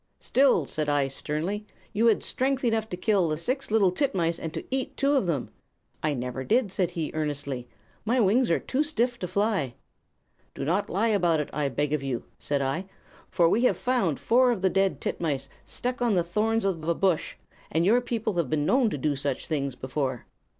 "'Still,' said I, sternly, 'you had strength enough to kill the six little titmice, and to eat two of them.' "'I never did,' said he, earnestly; 'my wings are too stiff to fly.' "'Do not lie about it, I beg of you,' said I; 'for we have found four of the dead titmice stuck on the thorns of a bush, and your people have been known to do such things before.'